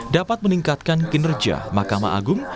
dapat meningkatkan kinerja mahkamah agung